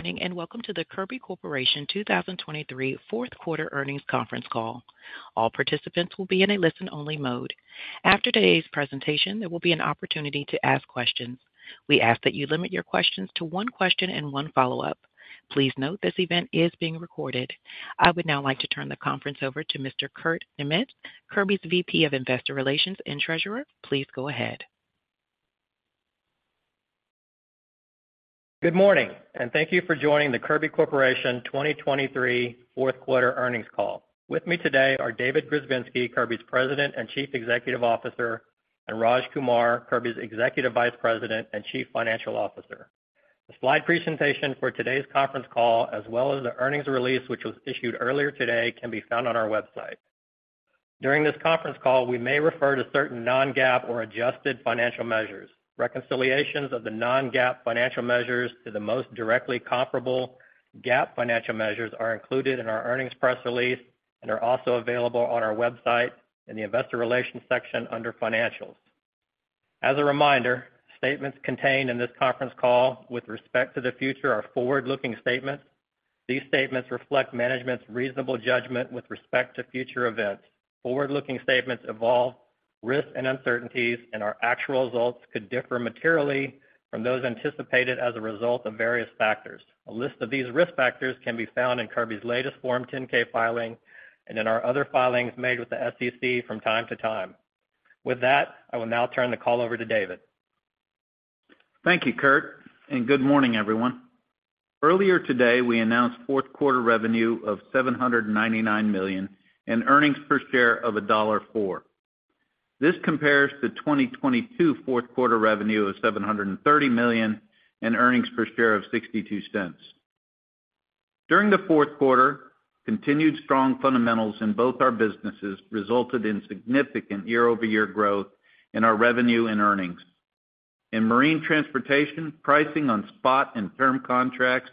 Good morning, and welcome to the Kirby Corporation 2023 fourth quarter earnings conference call. All participants will be in a listen-only mode. After today's presentation, there will be an opportunity to ask questions. We ask that you limit your questions to one question and one follow-up. Please note, this event is being recorded. I would now like to turn the conference over to Mr. Kurt Niemietz, Kirby's VP of Investor Relations and Treasurer. Please go ahead. Good morning, and thank you for joining the Kirby Corporation 2023 fourth quarter earnings call. With me today are David Grzebinski, Kirby's President and Chief Executive Officer, and Raj Kumar, Kirby's Executive Vice President and Chief Financial Officer. The slide presentation for today's conference call, as well as the earnings release, which was issued earlier today, can be found on our website. During this conference call, we may refer to certain non-GAAP or adjusted financial measures. Reconciliations of the non-GAAP financial measures to the most directly comparable GAAP financial measures are included in our earnings press release and are also available on our website in the Investor Relations section under Financials. As a reminder, statements contained in this conference call with respect to the future are forward-looking statements. These statements reflect management's reasonable judgment with respect to future events. Forward-looking statements involve risks and uncertainties, and our actual results could differ materially from those anticipated as a result of various factors. A list of these risk factors can be found in Kirby's latest Form 10-K filing and in our other filings made with the SEC from time to time. With that, I will now turn the call over to David. Thank you, Kurt, and good morning, everyone. Earlier today, we announced fourth quarter revenue of $799 million and earnings per share of $1.04. This compares to 2022 fourth quarter revenue of $730 million and earnings per share of $0.62. During the fourth quarter, continued strong fundamentals in both our businesses resulted in significant year-over-year growth in our revenue and earnings. In Marine Transportation, pricing on spot and term contracts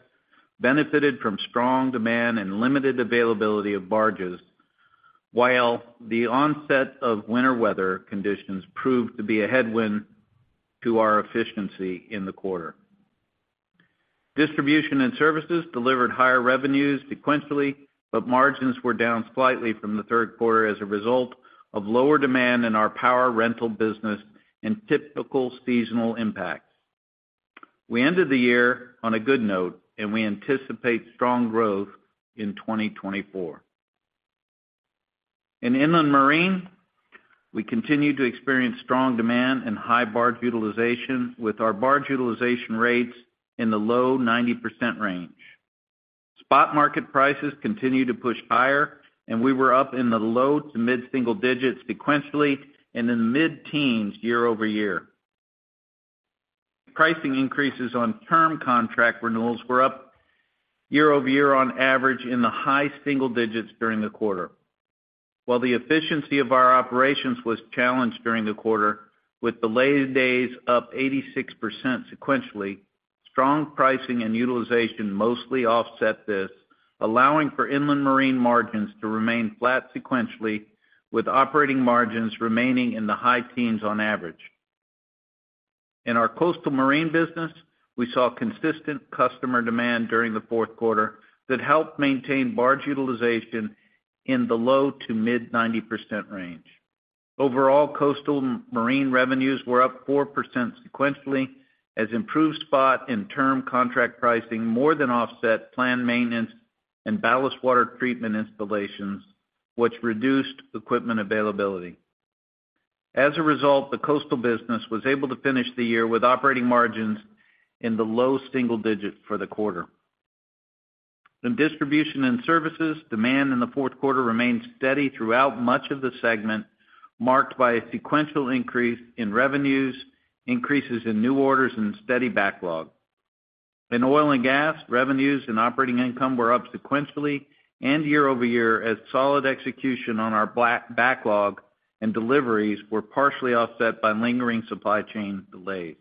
benefited from strong demand and limited availability of barges, while the onset of winter weather conditions proved to be a headwind to our efficiency in the quarter. Distribution and services delivered higher revenues sequentially, but margins were down slightly from the third quarter as a result of lower demand in our power rental business and typical seasonal impacts. We ended the year on a good note, and we anticipate strong growth in 2024. In inland marine, we continue to experience strong demand and high barge utilization with our barge utilization rates in the low 90% range. Spot market prices continue to push higher, and we were up in the low- to mid-single digits sequentially and in the mid-teens year-over-year. Pricing increases on term contract renewals were up year-over-year on average in the high single digits during the quarter. While the efficiency of our operations was challenged during the quarter, with delayed days up 86% sequentially, strong pricing and utilization mostly offset this, allowing for inland marine margins to remain flat sequentially, with operating margins remaining in the high teens on average. In our coastal marine business, we saw consistent customer demand during the fourth quarter that helped maintain barge utilization in the low-to-mid 90% range. Overall, coastal marine revenues were up 4% sequentially, as improved spot and term contract pricing more than offset planned maintenance and ballast water treatment installations, which reduced equipment availability. As a result, the coastal business was able to finish the year with operating margins in the low single digits for the quarter. In Distribution and Services, demand in the fourth quarter remained steady throughout much of the segment, marked by a sequential increase in revenues, increases in new orders and steady backlog. In oil and gas, revenues and operating income were up sequentially and year-over-year, as solid execution on our backlog and deliveries were partially offset by lingering supply chain delays.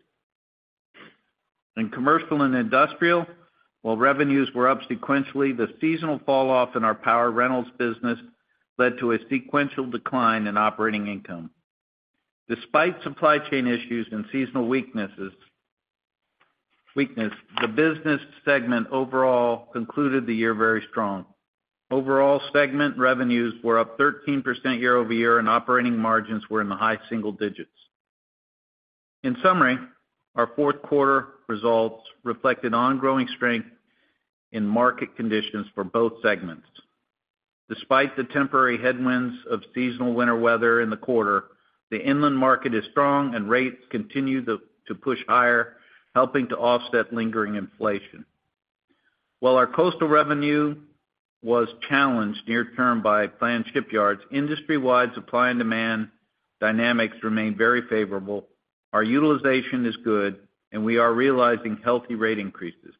In commercial and industrial, while revenues were up sequentially, the seasonal falloff in our power rentals business led to a sequential decline in operating income. Despite supply chain issues and seasonal weaknesses, the business segment overall concluded the year very strong. Overall, segment revenues were up 13% year-over-year, and operating margins were in the high single digits. In summary, our fourth quarter results reflected ongoing strength in market conditions for both segments. Despite the temporary headwinds of seasonal winter weather in the quarter, the inland market is strong and rates continue to push higher, helping to offset lingering inflation. While our coastal revenue was challenged near term by planned shipyards, industry-wide supply and demand dynamics remain very favorable. Our utilization is good, and we are realizing healthy rate increases.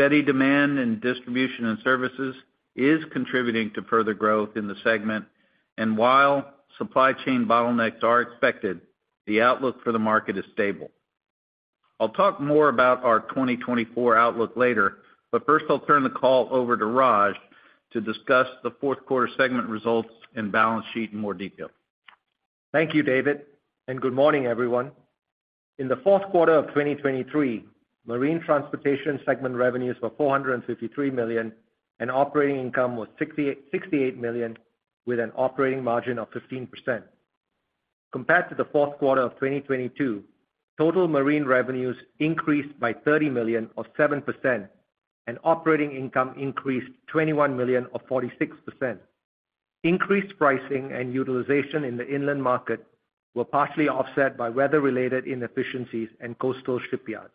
Steady demand in Distribution and Services is contributing to further growth in the segment, and while supply chain bottlenecks are expected, the outlook for the market is stable. I'll talk more about our 2024 outlook later, but first I'll turn the call over to Raj to discuss the fourth quarter segment results and balance sheet in more detail.... Thank you, David, and good morning, everyone. In the fourth quarter of 2023, Marine Transportation segment revenues were $453 million, and operating income was $68 million, with an operating margin of 15%. Compared to the fourth quarter of 2022, total marine revenues increased by $30 million, or 7%, and operating income increased $21 million, or 46%. Increased pricing and utilization in the inland market were partially offset by weather-related inefficiencies and coastal shipyards.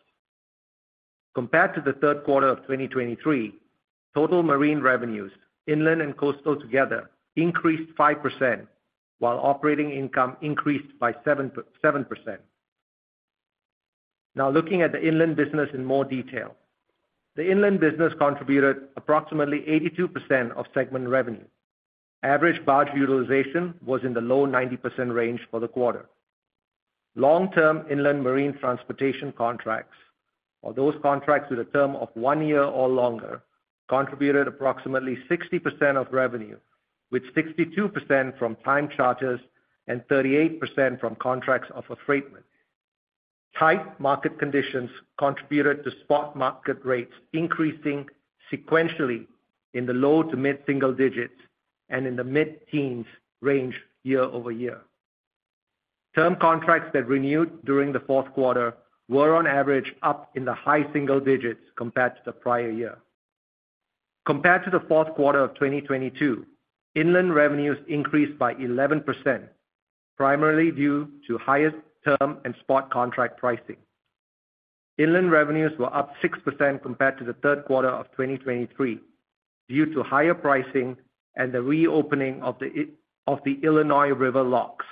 Compared to the third quarter of 2023, total marine revenues, inland and coastal together, increased 5%, while operating income increased by 7%. Now looking at the inland business in more detail. The inland business contributed approximately 82% of segment revenue. Average barge utilization was in the low 90% range for the quarter. Long-term inland Marine Transportation contracts, or those contracts with a term of one year or longer, contributed approximately 60% of revenue, with 62% from time charters and 38% from contracts of affreightment. Tight market conditions contributed to spot market rates increasing sequentially in the low- to mid-single digits and in the mid-teens range year-over-year. Term contracts that renewed during the fourth quarter were on average up in the high single digits compared to the prior year. Compared to the fourth quarter of 2022, inland revenues increased by 11%, primarily due to highest term and spot contract pricing. Inland revenues were up 6% compared to the third quarter of 2023, due to higher pricing and the reopening of the Illinois River locks.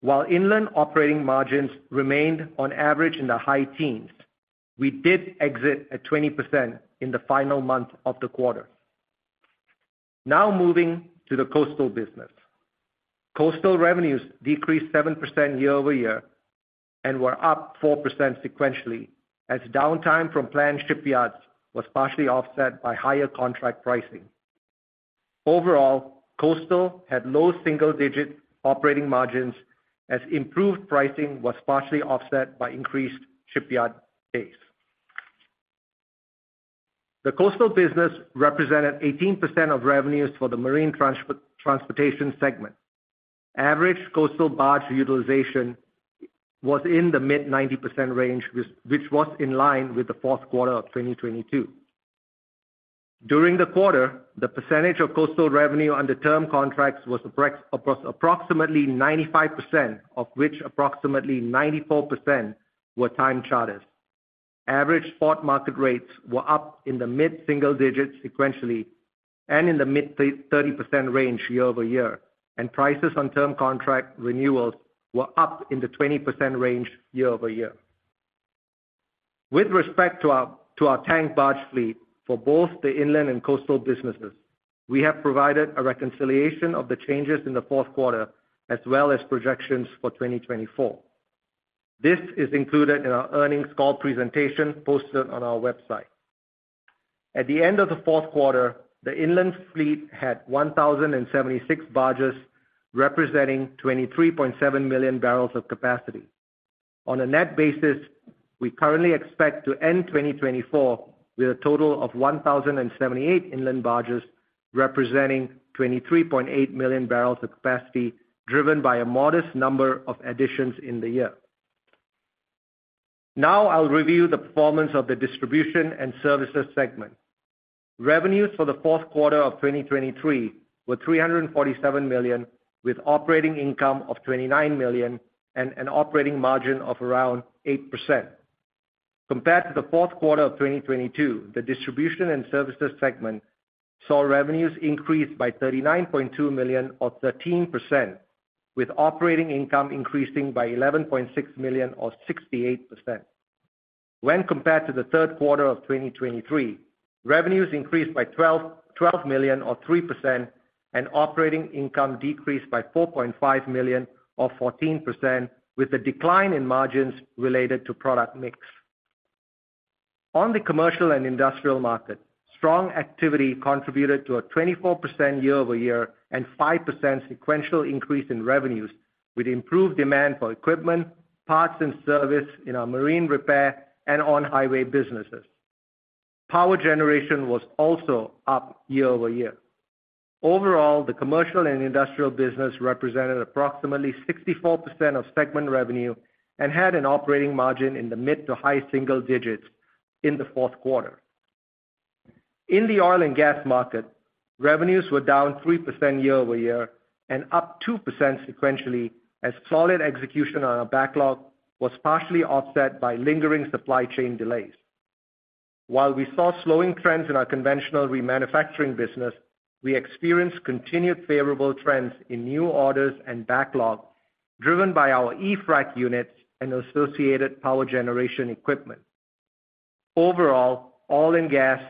While inland operating margins remained on average in the high teens, we did exit at 20% in the final month of the quarter. Now moving to the coastal business. Coastal revenues decreased 7% year-over-year and were up 4% sequentially, as downtime from planned shipyards was partially offset by higher contract pricing. Overall, coastal had low single-digit operating margins, as improved pricing was partially offset by increased shipyard days. The coastal business represented 18% of revenues for the Marine Transportation segment. Average coastal barge utilization was in the mid-90% range, which was in line with the fourth quarter of 2022. During the quarter, the percentage of coastal revenue under term contracts was approximately 95%, of which approximately 94% were time charters. Average spot market rates were up in the mid-single digits sequentially and in the mid-30% range year-over-year, and prices on term contract renewals were up in the 20% range year-over-year. With respect to our, to our tank barge fleet for both the inland and coastal businesses, we have provided a reconciliation of the changes in the fourth quarter, as well as projections for 2024. This is included in our earnings call presentation posted on our website. At the end of the fourth quarter, the inland fleet had 1,076 barges, representing 23.7 million barrels of capacity. On a net basis, we currently expect to end 2024 with a total of 1,078 inland barges, representing 23.8 million barrels of capacity, driven by a modest number of additions in the year. Now, I'll review the performance of the Distribution and Services segment. Revenues for the fourth quarter of 2023 were $347 million, with operating income of $29 million and an operating margin of around 8%. Compared to the fourth quarter of 2022, the Distribution and Services segment saw revenues increase by $39.2 million, or 13%, with operating income increasing by $11.6 million or 68%. When compared to the third quarter of 2023, revenues increased by $12 million or 3%, and operating income decreased by $4.5 million or 14%, with a decline in margins related to product mix. On the commercial and industrial market, strong activity contributed to a 24% year-over-year and 5% sequential increase in revenues, with improved demand for equipment, parts, and service in our marine repair and on-highway businesses. Power generation was also up year-over-year. Overall, the commercial and industrial business represented approximately 64% of segment revenue and had an operating margin in the mid to high single digits in the fourth quarter. In the oil and gas market, revenues were down 3% year-over-year and up 2% sequentially, as solid execution on our backlog was partially offset by lingering supply chain delays. While we saw slowing trends in our conventional remanufacturing business, we experienced continued favorable trends in new orders and backlog, driven by our e-frac units and associated power generation equipment. Overall, oil and gas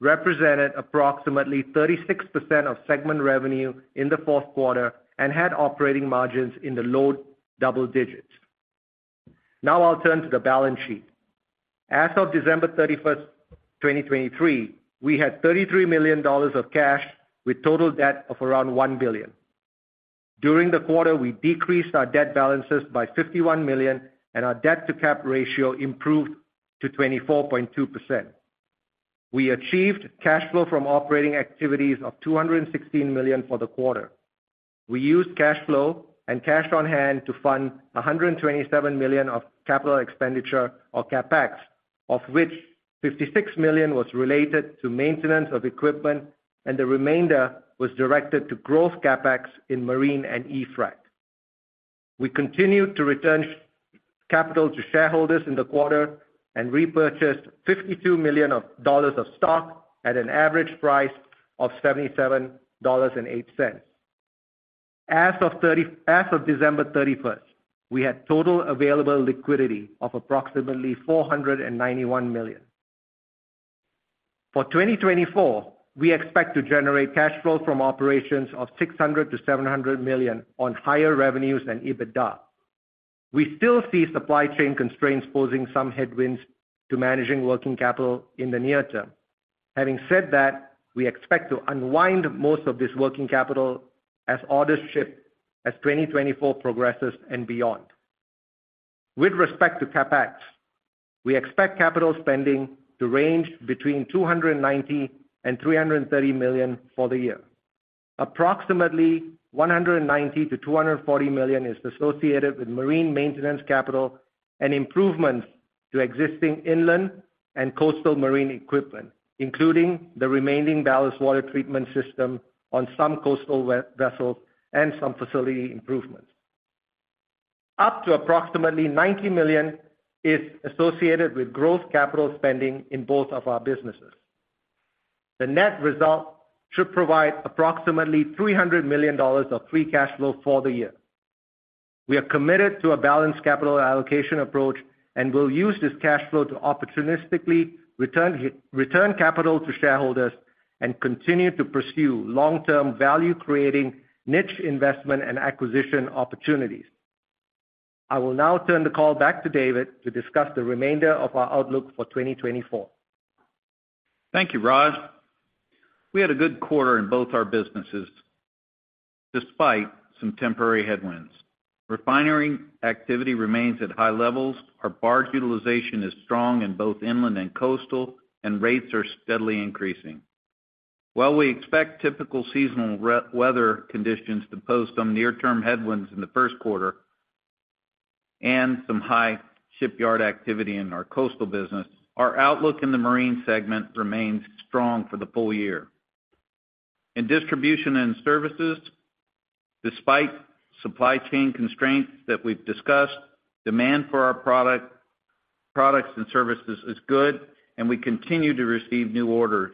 represented approximately 36% of segment revenue in the fourth quarter and had operating margins in the low double digits. Now I'll turn to the balance sheet. As of December 31, 2023, we had $33 million of cash, with total debt of around $1 billion. During the quarter, we decreased our debt balances by $51 million, and our debt-to-cap ratio improved to 24.2%. We achieved cash flow from operating activities of $216 million for the quarter. We used cash flow and cash on hand to fund $127 million of capital expenditure, or CapEx, of which $56 million was related to maintenance of equipment, and the remainder was directed to growth CapEx in Marine and e-frac. We continued to return capital to shareholders in the quarter and repurchased $52 million of stock at an average price of $77.08. As of December 31, we had total available liquidity of approximately $491 million. For 2024, we expect to generate cash flow from operations of $600 million-$700 million on higher revenues than EBITDA. We still see supply chain constraints posing some headwinds to managing working capital in the near term. Having said that, we expect to unwind most of this working capital as orders ship, as 2024 progresses and beyond. With respect to CapEx, we expect capital spending to range between $290 million-$330 million for the year. Approximately $190 million-$240 million is associated with marine maintenance capital and improvements to existing inland and coastal marine equipment, including the remaining ballast water treatment system on some coastal vessels and some facility improvements. Up to approximately $90 million is associated with growth capital spending in both of our businesses. The net result should provide approximately $300 million of free cash flow for the year. We are committed to a balanced capital allocation approach and will use this cash flow to opportunistically return capital to shareholders and continue to pursue long-term, value-creating niche investment and acquisition opportunities. I will now turn the call back to David to discuss the remainder of our outlook for 2024. Thank you, Raj. We had a good quarter in both our businesses, despite some temporary headwinds. Refinery activity remains at high levels, our barge utilization is strong in both inland and coastal, and rates are steadily increasing. While we expect typical seasonal weather conditions to pose some near-term headwinds in the first quarter and some high shipyard activity in our coastal business, our outlook in the marine segment remains strong for the full year. In Distribution and Services, despite supply chain constraints that we've discussed, demand for our products and services is good, and we continue to receive new orders.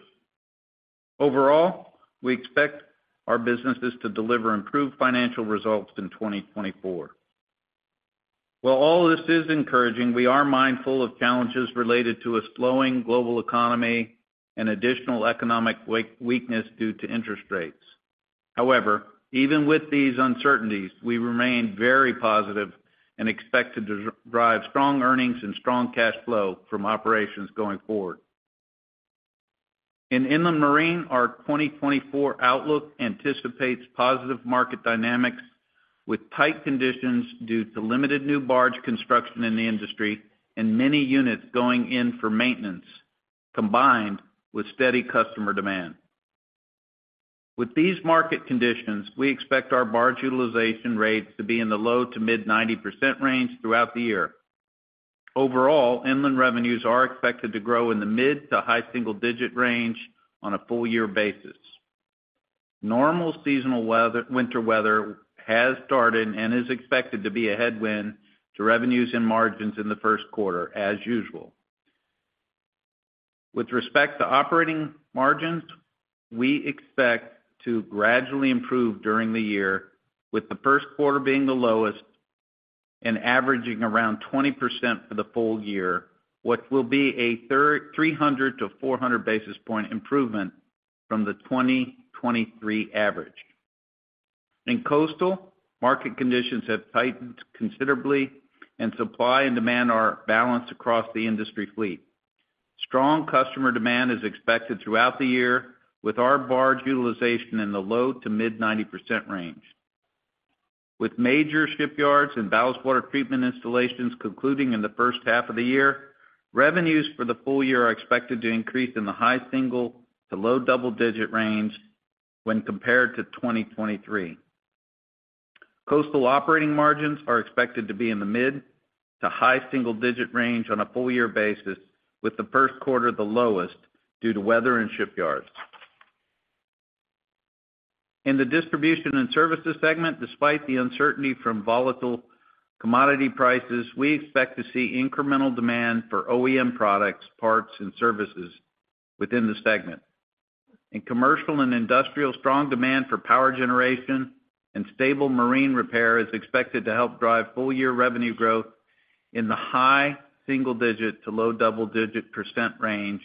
Overall, we expect our businesses to deliver improved financial results in 2024. While all this is encouraging, we are mindful of challenges related to a slowing global economy and additional economic weakness due to interest rates. However, even with these uncertainties, we remain very positive and expect to derive strong earnings and strong cash flow from operations going forward. In inland marine, our 2024 outlook anticipates positive market dynamics, with tight conditions due to limited new barge construction in the industry and many units going in for maintenance, combined with steady customer demand. With these market conditions, we expect our barge utilization rates to be in the low-to-mid 90% range throughout the year. Overall, inland revenues are expected to grow in the mid- to high-single-digit range on a full year basis. Normal seasonal weather, winter weather has started and is expected to be a headwind to revenues and margins in the first quarter, as usual. With respect to operating margins, we expect to gradually improve during the year, with the first quarter being the lowest and averaging around 20% for the full year, what will be a 300-400 basis point improvement from the 2023 average. In coastal, market conditions have tightened considerably, and supply and demand are balanced across the industry fleet. Strong customer demand is expected throughout the year, with our barge utilization in the low-to-mid 90% range. With major shipyards and ballast water treatment installations concluding in the first half of the year, revenues for the full year are expected to increase in the high single- to low double-digit range when compared to 2023. Coastal operating margins are expected to be in the mid- to high single-digit range on a full-year basis, with the first quarter the lowest due to weather and shipyards. In the Distribution and Services segment, despite the uncertainty from volatile commodity prices, we expect to see incremental demand for OEM products, parts, and services within the segment. In commercial and industrial, strong demand for power generation and stable marine repair is expected to help drive full-year revenue growth in the high single-digit to low double-digit percent range.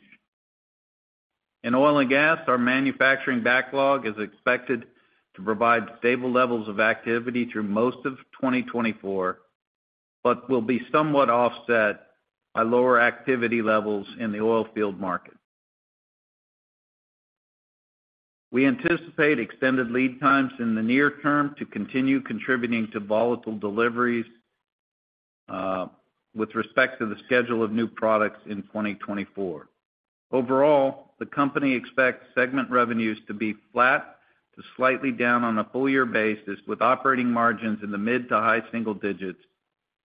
In oil and gas, our manufacturing backlog is expected to provide stable levels of activity through most of 2024, but will be somewhat offset by lower activity levels in the oil field market. We anticipate extended lead times in the near term to continue contributing to volatile deliveries, with respect to the schedule of new products in 2024. Overall, the company expects segment revenues to be flat to slightly down on a full year basis, with operating margins in the mid- to high-single digits,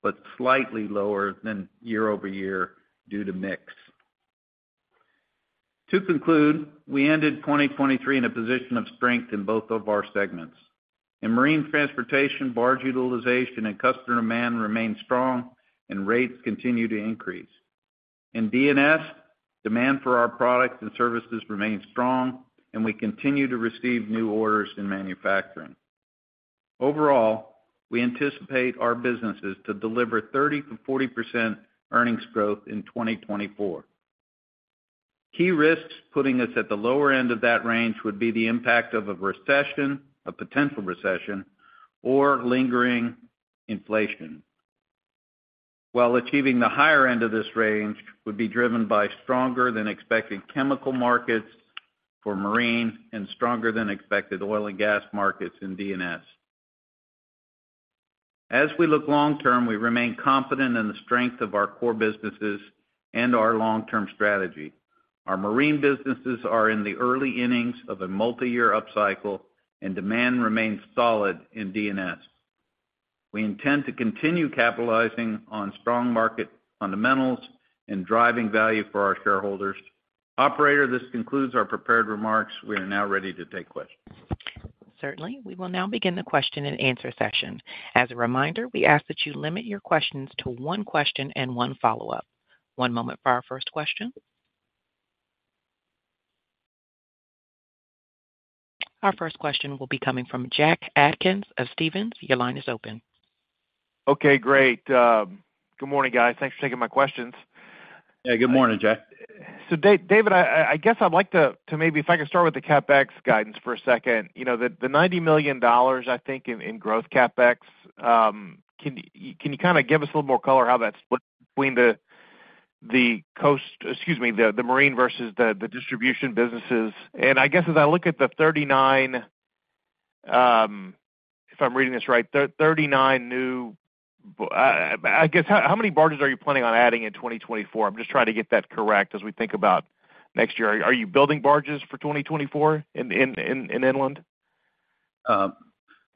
but slightly lower than year-over-year due to mix. To conclude, we ended 2023 in a position of strength in both of our segments. In Marine Transportation, barge utilization and customer demand remained strong and rates continue to increase. In D&S, demand for our products and services remains strong, and we continue to receive new orders in manufacturing. Overall, we anticipate our businesses to deliver 30%-40% earnings growth in 2024. Key risks putting us at the lower end of that range would be the impact of a recession, a potential recession or lingering inflation. While achieving the higher end of this range would be driven by stronger than expected chemical markets for marine and stronger than expected oil and gas markets in D&S. As we look long term, we remain confident in the strength of our core businesses and our long-term strategy. Our marine businesses are in the early innings of a multi-year upcycle, and demand remains solid in D&S. We intend to continue capitalizing on strong market fundamentals and driving value for our shareholders. Operator, this concludes our prepared remarks. We are now ready to take questions. Certainly. We will now begin the question and answer session. As a reminder, we ask that you limit your questions to one question and one follow-up. One moment for our first question. Our first question will be coming from Jack Atkins of Stephens. Your line is open. Okay, great. Good morning, guys. Thanks for taking my questions. Yeah, good morning, Jack. So David, I guess I'd like to maybe if I could start with the CapEx guidance for a second. You know, the $90 million, I think, in growth CapEx, can you kind of give us a little more color how that's split between the marine versus the distribution businesses? And I guess, as I look at the 39, if I'm reading this right, 39 new. I guess, how many barges are you planning on adding in 2024? I'm just trying to get that correct as we think about next year. Are you building barges for 2024 in inland?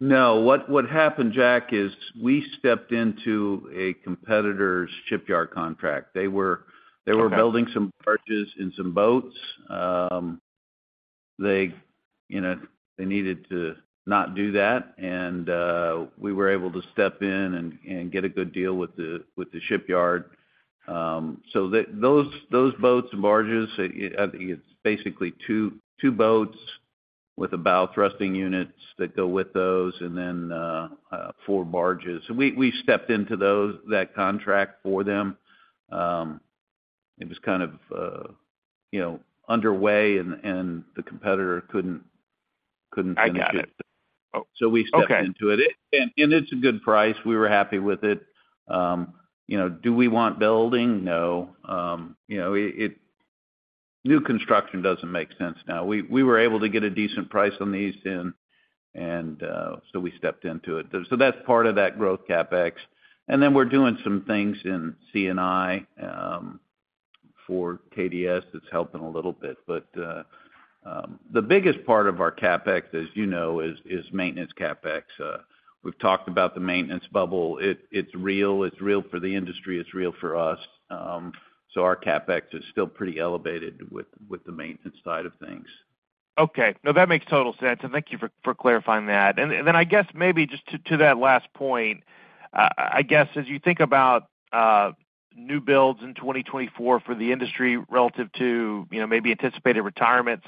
No. What happened, Jack, is we stepped into a competitor's shipyard contract. They were- Okay. They were building some barges and some boats. They, you know, they needed to not do that, and we were able to step in and get a good deal with the shipyard. So those boats and barges, it's basically two boats with a bow thrusting units that go with those, and then four barges. So we stepped into that contract for them. It was kind of, you know, underway and the competitor couldn't finish it. I got it. We stepped into it. Okay. It's a good price. We were happy with it. You know, do we want building? No. You know, new construction doesn't make sense now. We were able to get a decent price on these, and so we stepped into it. So that's part of that growth CapEx. And then we're doing some things in C&I for KDS. That's helping a little bit. But the biggest part of our CapEx, as you know, is maintenance CapEx. We've talked about the maintenance bubble. It's real. It's real for the industry, it's real for us. So our CapEx is still pretty elevated with the maintenance side of things. Okay. No, that makes total sense, and thank you for clarifying that. And then I guess maybe just to that last point, I guess, as you think about new builds in 2024 for the industry relative to, you know, maybe anticipated retirements,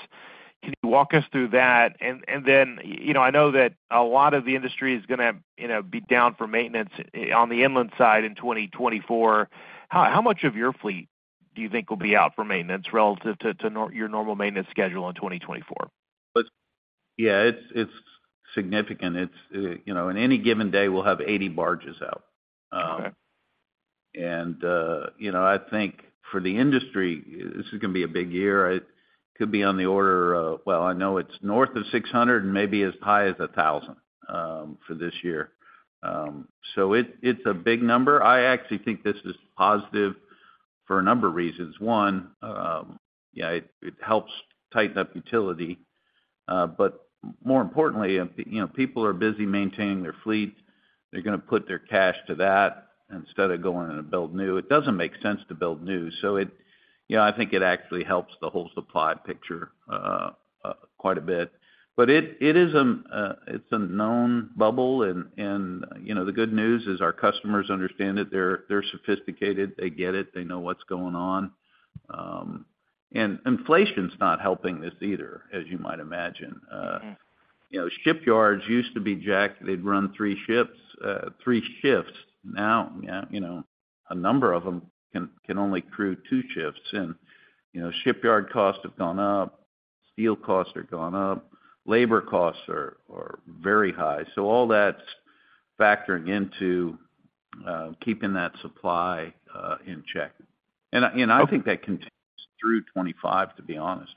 can you walk us through that? And then, you know, I know that a lot of the industry is gonna, you know, be down for maintenance on the inland side in 2024. How much of your fleet do you think will be out for maintenance relative to your normal maintenance schedule in 2024? Yeah, it's significant. It's, you know, in any given day, we'll have 80 barges out. Okay. And, you know, I think for the industry, this is gonna be a big year. It could be on the order of... Well, I know it's north of 600 and maybe as high as 1,000 for this year. So it, it's a big number. I actually think this is positive for a number of reasons. One, yeah, it helps tighten up utilization, but more importantly, if, you know, people are busy maintaining their fleet, they're gonna put their cash to that instead of going in and build new. It doesn't make sense to build new, so it... You know, I think it actually helps the whole supply picture quite a bit. But it is a known bubble, and you know, the good news is our customers understand it. They're sophisticated, they get it, they know what's going on. And inflation's not helping this either, as you might imagine. Okay. You know, shipyards used to be jacked. They'd run three shifts. Now, you know, a number of them can only crew two shifts. And, you know, shipyard costs have gone up, steel costs have gone up, labor costs are very high. So all that's factoring into keeping that supply in check. And I think that continues through 2025, to be honest.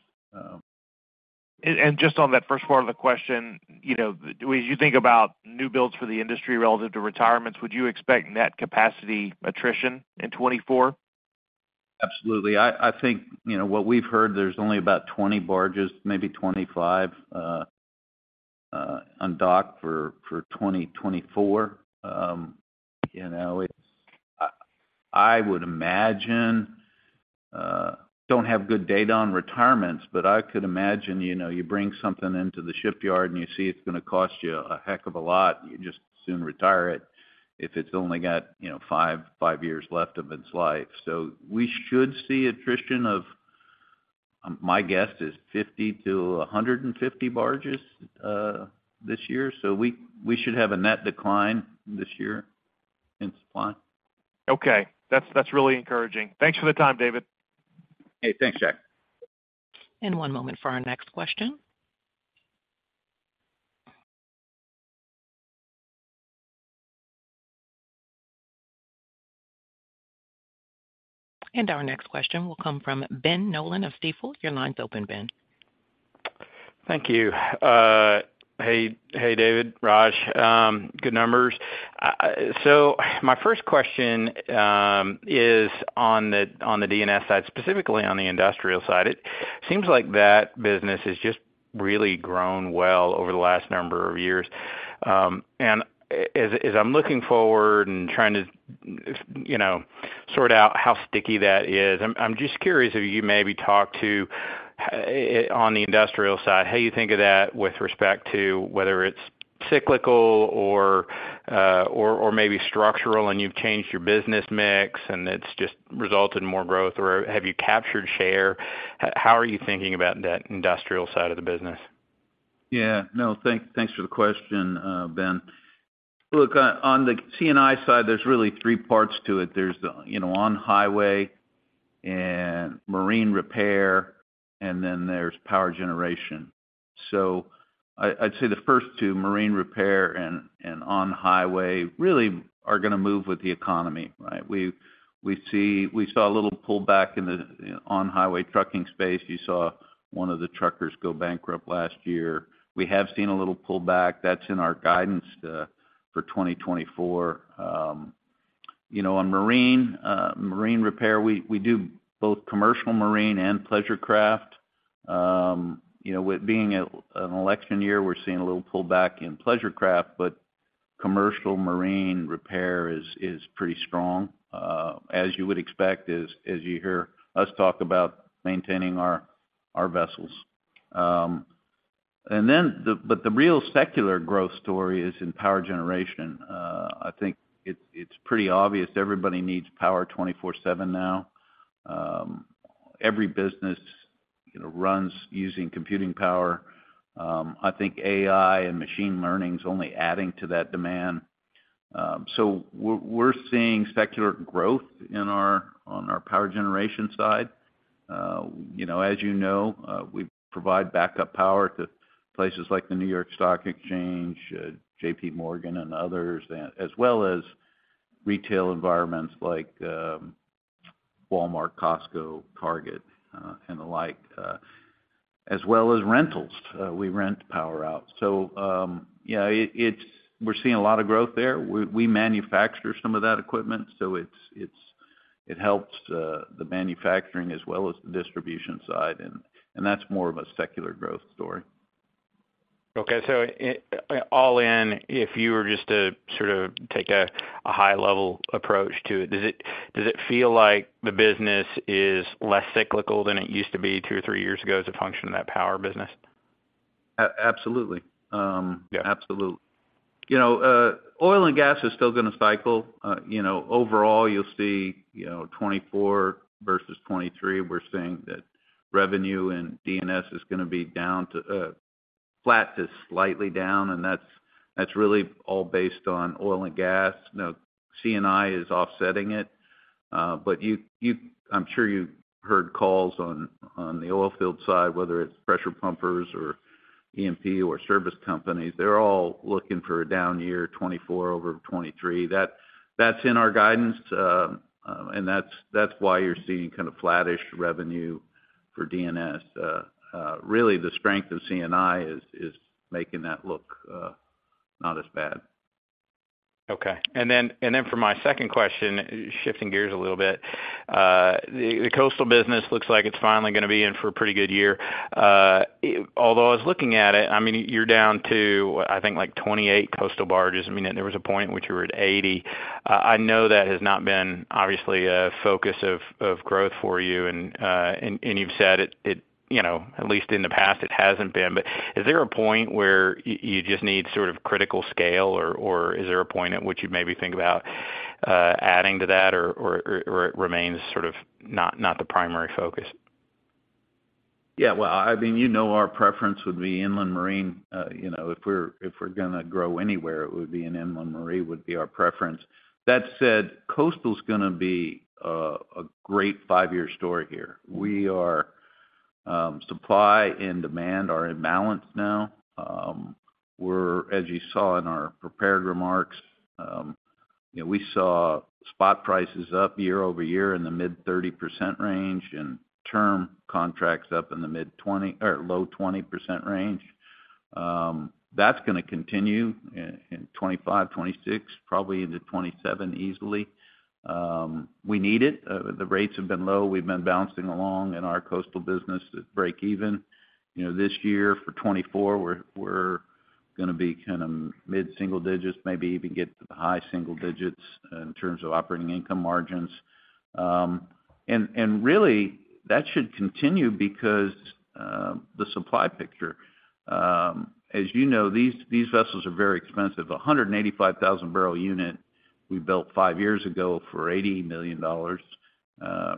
Just on that first part of the question, you know, as you think about new builds for the industry relative to retirements, would you expect net capacity attrition in 2024? Absolutely. I think, you know, what we've heard, there's only about 20 barges, maybe 25, on dock for 2024. You know, it's—I would imagine, don't have good data on retirements, but I could imagine, you know, you bring something into the shipyard, and you see it's going to cost you a heck of a lot, you just soon retire it if it's only got, you know, five years left of its life. So we should see attrition of, my guess is 50 to 150 barges, this year. So we should have a net decline this year in supply. Okay. That's, that's really encouraging. Thanks for the time, David. Hey, thanks, Jack. One moment for our next question. Our next question will come from Ben Nolan of Stifel. Your line's open, Ben. Thank you. Hey, hey, David, Raj, good numbers. So my first question is on the D&S side, specifically on the industrial side. It seems like that business has just really grown well over the last number of years. And as I'm looking forward and trying to, you know, sort out how sticky that is, I'm just curious if you maybe talk to on the industrial side, how you think of that with respect to whether it's cyclical or maybe structural, and you've changed your business mix, and it's just resulted in more growth, or have you captured share? How are you thinking about that industrial side of the business? Yeah. No, thanks for the question, Ben. Look, on the C&I side, there's really three parts to it. There's the, you know, on-highway and marine repair, and then there's power generation. So I'd say the first two, marine repair and on-highway, really are going to move with the economy, right? We saw a little pullback in the on-highway trucking space. You saw one of the truckers go bankrupt last year. We have seen a little pullback. That's in our guidance for 2024. You know, on marine repair, we do both commercial marine and pleasure craft. You know, with being an election year, we're seeing a little pullback in pleasure craft, but commercial marine repair is pretty strong, as you would expect, as you hear us talk about maintaining our vessels. But the real secular growth story is in power generation. I think it's pretty obvious everybody needs power 24/7 now. Every business, you know, runs using computing power. I think AI and machine learning is only adding to that demand. So we're seeing secular growth in our power generation side. You know, as you know, we provide backup power to places like the New York Stock Exchange, JPMorgan and others, as well as retail environments like Walmart, Costco, Target, and the like, as well as rentals. We rent power out. So, yeah, we're seeing a lot of growth there. We manufacture some of that equipment, so it helps the manufacturing as well as the distribution side, and that's more of a secular growth story. Okay, so all in, if you were just to sort of take a high-level approach to it, does it feel like the business is less cyclical than it used to be two or three years ago as a function of that power business? Absolutely. Yeah. Absolutely. You know, oil and gas is still going to cycle. You know, overall, you'll see, you know, 2024 versus 2023, we're seeing that revenue and D&S is going to be down to flat to slightly down, and that's really all based on oil and gas. Now, C&I is offsetting it, but you, I'm sure you've heard calls on the oil field side, whether it's pressure pumpers or E&P or service companies, they're all looking for a down year, 2024 over 2023. That's in our guidance, and that's why you're seeing kind of flattish revenue for D&S. Really, the strength of C&I is making that look not as bad. Okay. And then for my second question, shifting gears a little bit. The coastal business looks like it's finally going to be in for a pretty good year. Although I was looking at it, I mean, you're down to, I think, like, 28 coastal barges. I mean, there was a point in which you were at 80. I know that has not been obviously a focus of growth for you, and you've said it, you know, at least in the past, it hasn't been. But is there a point where you just need sort of critical scale, or is there a point at which you'd maybe think about adding to that, or it remains sort of not the primary focus?... Yeah, well, I mean, you know, our preference would be inland marine. You know, if we're going to grow anywhere, it would be in inland marine, would be our preference. That said, coastal is going to be a great five-year story here. Supply and demand are in balance now. As you saw in our prepared remarks, you know, we saw spot prices up year-over-year in the mid-30% range, and term contracts up in the mid-20% or low 20% range. That's going to continue in 2025, 2026, probably into 2027 easily. We need it. The rates have been low. We've been bouncing along in our coastal business to break even. You know, this year, for 2024, we're going to be kind of mid-single digits, maybe even get to the high single digits in terms of operating income margins. And really, that should continue because the supply picture. As you know, these vessels are very expensive. A 185,000-barrel unit, we built five years ago for $80 million.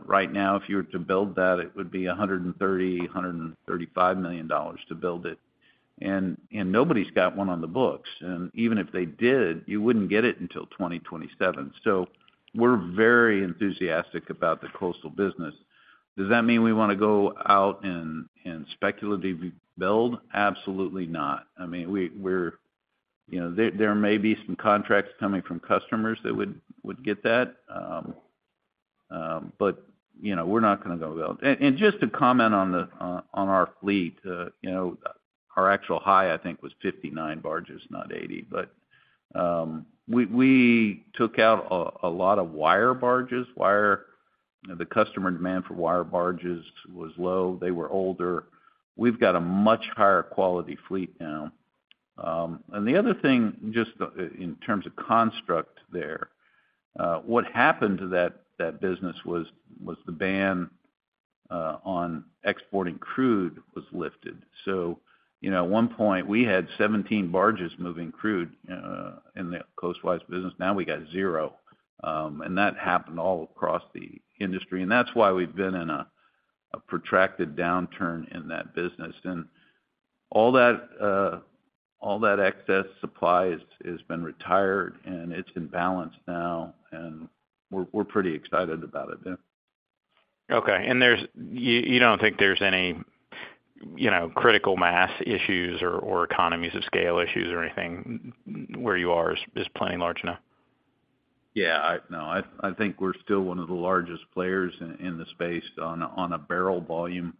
Right now, if you were to build that, it would be $130 million-$135 million to build it, and nobody's got one on the books. And even if they did, you wouldn't get it until 2027. So we're very enthusiastic about the coastal business. Does that mean we want to go out and speculatively build? Absolutely not. I mean, we're... You know, there may be some contracts coming from customers that would get that, but, you know, we're not going to go build. And just to comment on our fleet, you know, our actual high, I think, was 59 barges, not 80. But we took out a lot of wire barges. The customer demand for wire barges was low. They were older. We've got a much higher quality fleet now. And the other thing, just in terms of construct there, what happened to that business was the ban on exporting crude was lifted. So, you know, at one point, we had 17 barges moving crude in the coastwise business. Now we got zero, and that happened all across the industry, and that's why we've been in a protracted downturn in that business. All that excess supply has been retired, and it's in balance now, and we're pretty excited about it, yeah. Okay. And you don't think there's any, you know, critical mass issues or economies of scale issues or anything? Where you are is plenty large enough. Yeah, no, I think we're still one of the largest players in the space on a barrel volume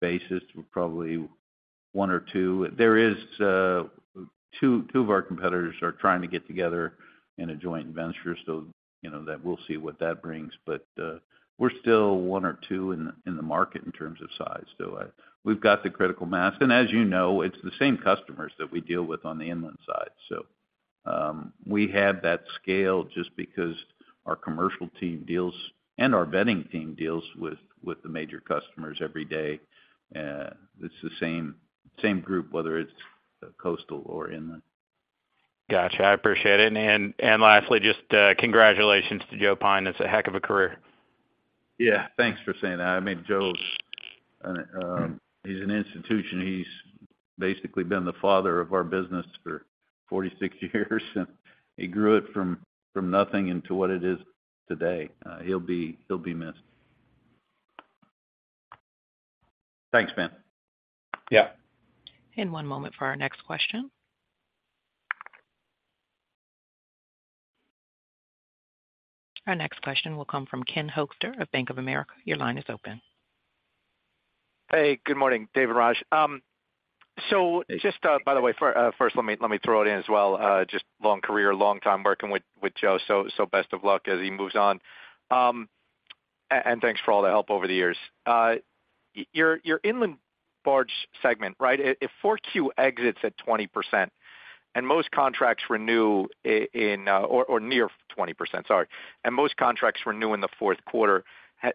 basis. We're probably one or two. There is two of our competitors are trying to get together in a joint venture, so you know, that we'll see what that brings. But we're still one or two in the market in terms of size. So we've got the critical mass, and as you know, it's the same customers that we deal with on the inland side. So we have that scale just because our commercial team deals, and our vetting team deals with the major customers every day. It's the same group, whether it's coastal or inland. Gotcha, I appreciate it. And, and lastly, just, congratulations to Joe Pyne. That's a heck of a career. Yeah, thanks for saying that. I mean, Joe, he's an institution. He's basically been the father of our business for 46 years, and he grew it from nothing into what it is today. He'll be missed. Thanks, Ben. Yeah. One moment for our next question. Our next question will come from Ken Hoexter of Bank of America. Your line is open. Hey, good morning, David, Raj. So just by the way, first, let me throw it in as well, just long career, long time working with Joe, so best of luck as he moves on. Thanks for all the help over the years. Your inland barge segment, right? If 4Q exits at 20% and most contracts renew in or near 20%, sorry, and most contracts renew in the fourth quarter,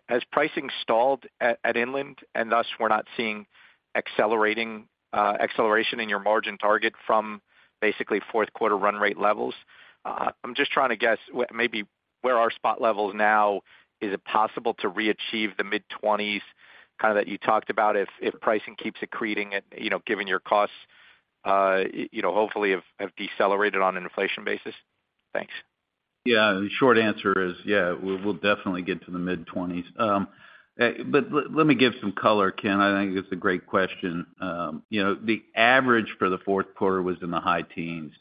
has pricing stalled at inland, and thus we're not seeing acceleration in your margin target from basically fourth quarter run rate levels? I'm just trying to guess maybe where are spot levels now. Is it possible to re-achieve the mid-20s, kind of that you talked about, if, if pricing keeps accreting and, you know, given your costs, you know, hopefully have, have decelerated on an inflation basis? Thanks. Yeah. The short answer is, yeah, we'll definitely get to the mid-20s. But let me give some color, Ken. I think it's a great question. You know, the average for the fourth quarter was in the high teens.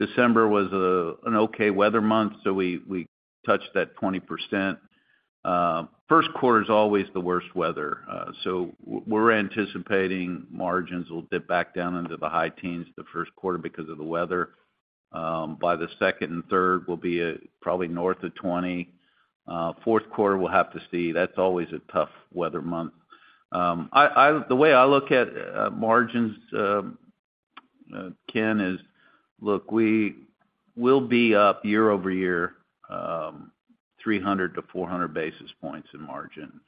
December was an okay weather month, so we touched that 20%. First quarter is always the worst weather, so we're anticipating margins will dip back down into the high teens the first quarter because of the weather. By the second and third, we'll be probably north of 20. Fourth quarter, we'll have to see. That's always a tough weather month. The way I look at margins, Ken, is, look, we will be up year-over-year 300-400 basis points in margin.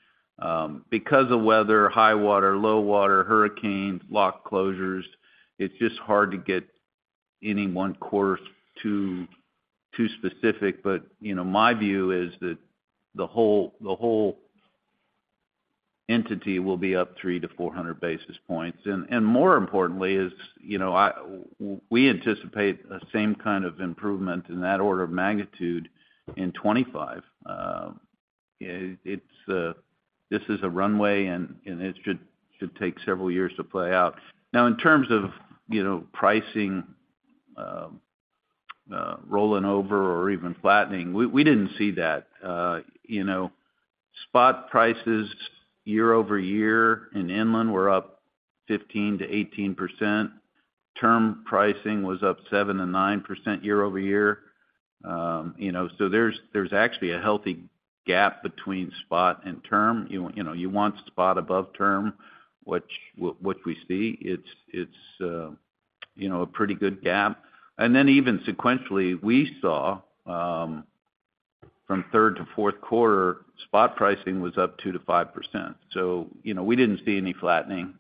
Because of weather, high water, low water, hurricanes, lock closures, it's just hard to get any one quarter too specific, but, you know, my view is that the whole entity will be up 300-400 basis points. And more importantly is, you know, we anticipate the same kind of improvement in that order of magnitude in 2025. It's a runway, and it should take several years to play out. Now, in terms of, you know, pricing, rolling over or even flattening, we didn't see that. You know, spot prices year-over-year in inland were up 15%-18%. Term pricing was up 7%-9% year-over-year. You know, so there's actually a healthy gap between spot and term. You know, you want spot above term, which we see. It's you know, a pretty good gap. And then even sequentially, we saw from third to fourth quarter, spot pricing was up 2%-5%. So, you know, we didn't see any flattening.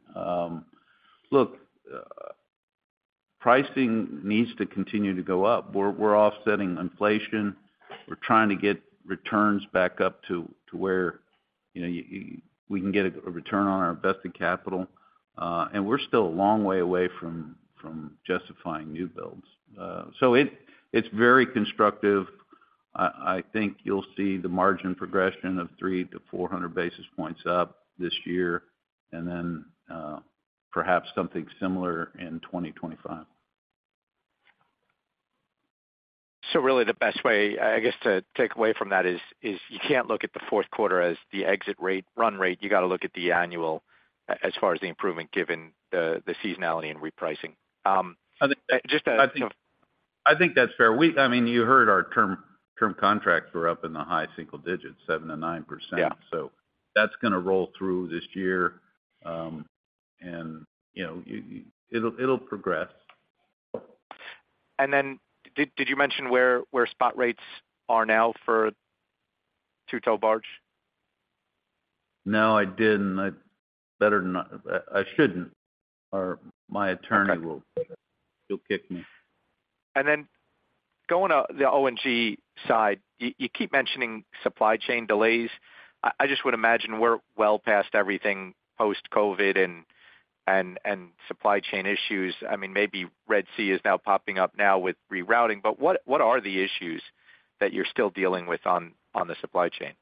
Look, pricing needs to continue to go up. We're offsetting inflation. We're trying to get returns back up to where you know we can get a return on our invested capital, and we're still a long way away from justifying new builds. So it's very constructive. I think you'll see the margin progression of 300-400 basis points up this year, and then perhaps something similar in 2025. So really the best way, I guess, to take away from that is you can't look at the fourth quarter as the exit rate, run rate. You got to look at the annual, as far as the improvement, given the seasonality and repricing. Just a- I think that's fair. We, I mean, you heard our term contracts were up in the high single digits, 7%-9%. Yeah. So that's going to roll through this year. You know, it'll progress. Did you mention where spot rates are now for two-tow barge? No, I didn't. I better not-- I, I shouldn't, or my attorney will- Okay. He'll kick me. Then going on the O&G side, you keep mentioning supply chain delays. I just would imagine we're well past everything post-COVID and supply chain issues. I mean, maybe Red Sea is now popping up with rerouting, but what are the issues that you're still dealing with on the supply chain?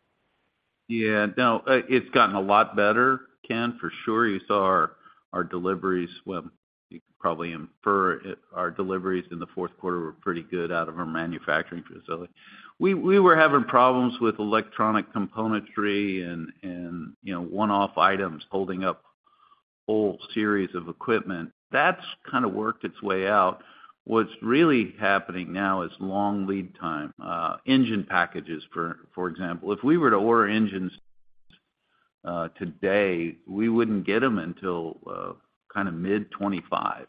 Yeah. No, it's gotten a lot better, Ken, for sure. You saw our deliveries. Well, you could probably infer it, our deliveries in the fourth quarter were pretty good out of our manufacturing facility. We were having problems with electronic componentry and, you know, one-off items holding up whole series of equipment. That's kind of worked its way out. What's really happening now is long lead time engine packages, for example. If we were to order engines today, we wouldn't get them until kind of mid-2025.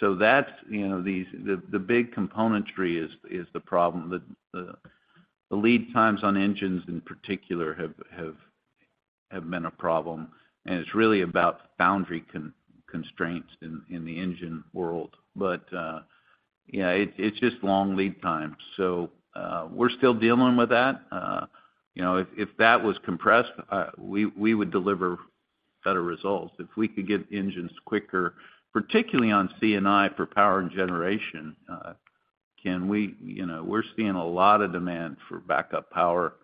So that's, you know, these, the big componentry is the problem. The lead times on engines in particular have been a problem, and it's really about foundry constraints in the engine world. But, yeah, it, it's just long lead times. So, we're still dealing with that. You know, if that was compressed, we would deliver better results. If we could get engines quicker, particularly on C&I for power and generation, Ken, we—you know, we're seeing a lot of demand for backup power,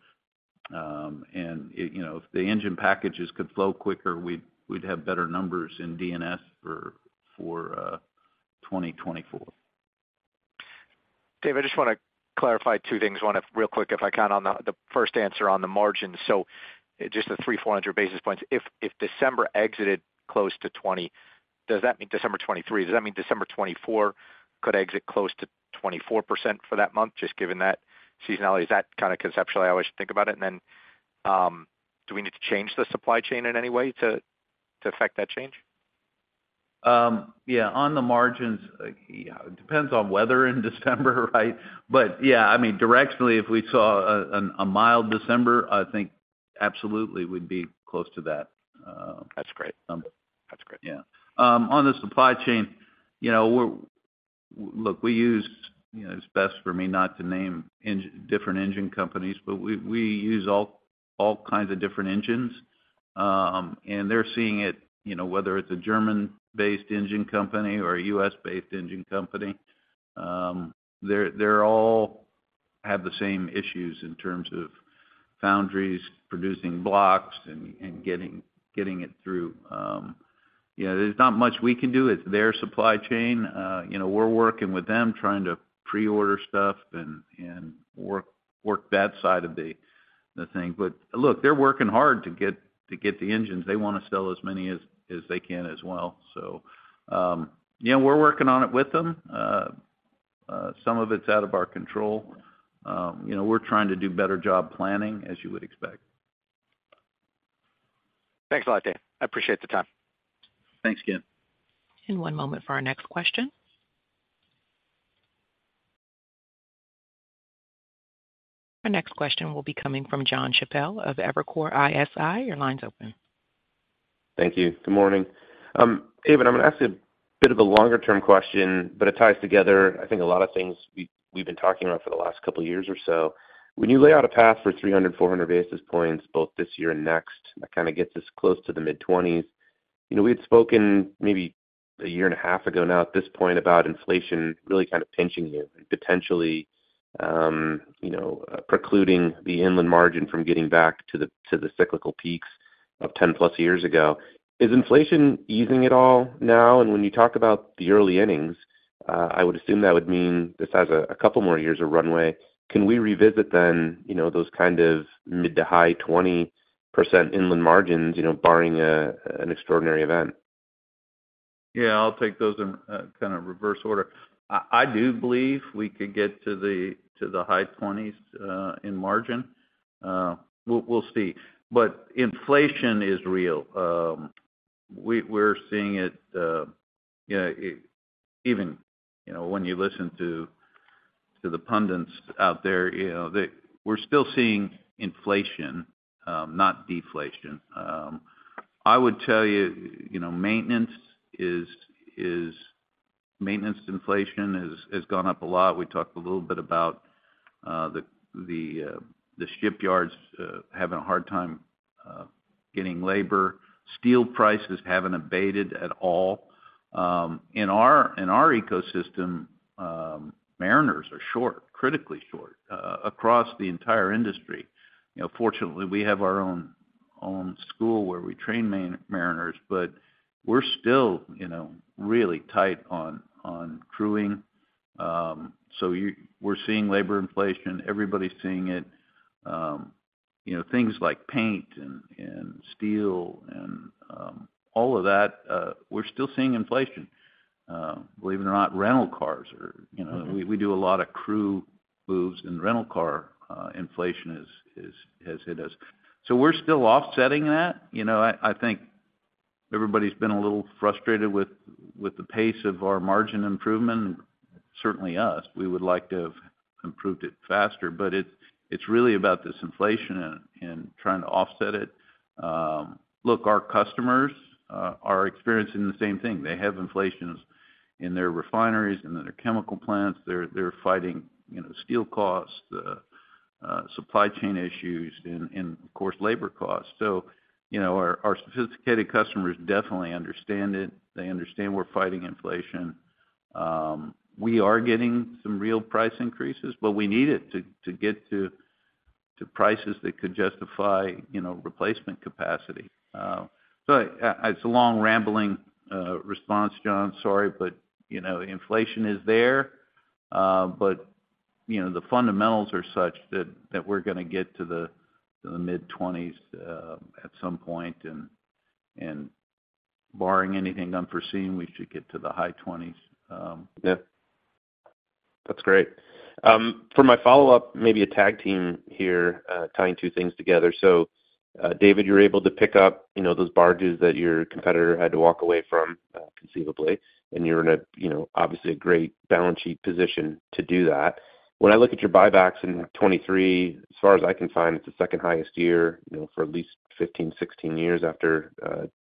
and, it, you know, if the engine packages could flow quicker, we'd have better numbers in D&S for 2024. David, I just want to clarify two things. One, real quick, if I can, on the first answer on the margin. So just the 300-400 basis points. If December 2023 exited close to 20, does that mean December 2024 could exit close to 24% for that month, just given that seasonality? Is that kind of conceptually how I should think about it? And then, do we need to change the supply chain in any way to affect that change? Yeah, on the margins, yeah, it depends on weather in December, right? But yeah, I mean, directionally, if we saw a mild December, I think absolutely we'd be close to that, That's great. Um. That's great. Yeah. On the supply chain, you know, we're—look, we use, you know, it's best for me not to name different engine companies, but we use all kinds of different engines. And they're seeing it, you know, whether it's a German-based engine company or a U.S. based engine company, they're all have the same issues in terms of foundries producing blocks and getting it through. Yeah, there's not much we can do. It's their supply chain. You know, we're working with them, trying to pre-order stuff and work that side of the thing. But look, they're working hard to get the engines. They want to sell as many as they can as well. So, yeah, we're working on it with them. Some of it's out of our control. You know, we're trying to do a better job planning, as you would expect. Thanks a lot, David. I appreciate the time. Thanks, Ken. One moment for our next question. Our next question will be coming from Jon Chappell of Evercore ISI. Your line's open. Thank you. Good morning. David, I'm gonna ask you a bit of a longer-term question, but it ties together, I think, a lot of things we, we've been talking about for the last couple of years or so. When you lay out a path for 300-400 basis points, both this year and next, that kind of gets us close to the mid-20s. You know, we had spoken maybe a year and a half ago now, at this point, about inflation really kind of pinching you and potentially, you know, precluding the inland margin from getting back to the, to the cyclical peaks of 10-plus years ago. Is inflation easing at all now? And when you talk about the early innings, I would assume that would mean this has a couple more years of runway. Can we revisit then, you know, those kind of mid- to high-20% inland margins, you know, barring an extraordinary event? Yeah, I'll take those in kind of reverse order. I do believe we could get to the high 20s in margin. We'll see. But inflation is real. We're seeing it, even you know when you listen to the pundits out there, you know they... We're still seeing inflation, not deflation. I would tell you, you know, maintenance inflation has gone up a lot. We talked a little bit about the shipyards having a hard time getting labor. Steel prices haven't abated at all. In our ecosystem, mariners are short, critically short across the entire industry. You know, fortunately, we have our own school where we train mariners, but we're still, you know, really tight on crewing. So we're seeing labor inflation. Everybody's seeing it. You know, things like paint and, and steel and, all of that, we're still seeing inflation. Believe it or not, rental cars are, you know- Mm-hmm. We do a lot of crew moves, and rental car inflation has hit us. So we're still offsetting that. You know, I think everybody's been a little frustrated with the pace of our margin improvement. Certainly, we would like to have improved it faster, but it's really about this inflation and trying to offset it. Look, our customers are experiencing the same thing. They have inflations in their refineries and in their chemical plants. They're fighting, you know, steel costs, supply chain issues, and of course, labor costs. So, you know, our sophisticated customers definitely understand it. They understand we're fighting inflation. We are getting some real price increases, but we need it to get to prices that could justify, you know, replacement capacity. So it's a long, rambling response, Jon. Sorry, but, you know, inflation is there. But, you know, the fundamentals are such that we're gonna get to the mid-20s at some point, and barring anything unforeseen, we should get to the high 20s. Yeah. That's great. For my follow-up, maybe a tag team here, tying two things together. So, David, you're able to pick up, you know, those barges that your competitor had to walk away from, conceivably, and you're in a, you know, obviously, a great balance sheet position to do that. When I look at your buybacks in 2023, as far as I can find, it's the second highest year, you know, for at least 15, 16 years after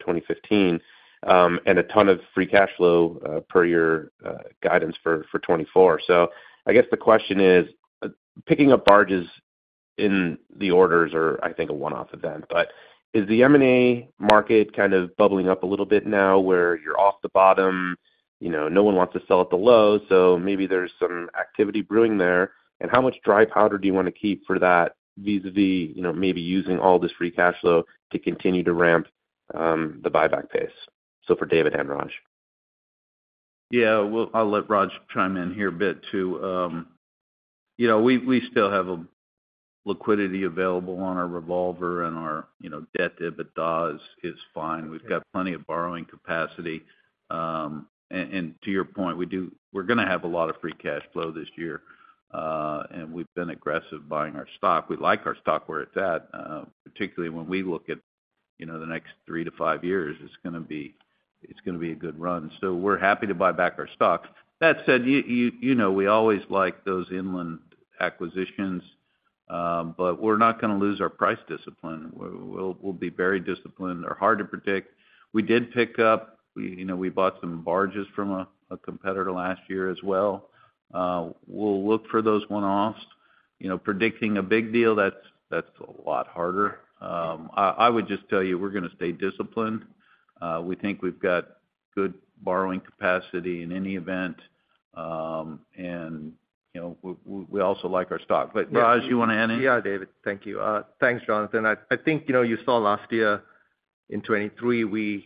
2015, and a ton of free cash flow, per your guidance for 2024. So I guess the question is, picking up barges in the orders are, I think, a one-off event, but is the M&A market kind of bubbling up a little bit now where you're off the bottom? You know, no one wants to sell at the low, so maybe there's some activity brewing there. And how much dry powder do you want to keep for that, vis-a-vis, you know, maybe using all this free cash flow to continue to ramp, the buyback pace? So for David and Raj. Yeah, well, I'll let Raj chime in here a bit, too. You know, we still have a liquidity available on our revolver and our, you know, debt EBITDA is fine. We've got plenty of borrowing capacity. And to your point, we do—we're gonna have a lot of free cash flow this year, and we've been aggressive buying our stock. We like our stock where it's at, particularly when we look at, you know, the next three to five years, it's gonna be, it's gonna be a good run. So we're happy to buy back our stock. That said, you know, we always like those inland acquisitions, but we're not gonna lose our price discipline. We'll be very disciplined. They're hard to predict. We did pick up, you know, we bought some barges from a competitor last year as well. We'll look for those one-offs. You know, predicting a big deal, that's a lot harder. I would just tell you, we're gonna stay disciplined. We think we've got good borrowing capacity in any event, and, you know, we also like our stock. But Raj, you want to add anything? Yeah, David, thank you. Thanks, Jonathan. I think, you know, you saw last year in 2023,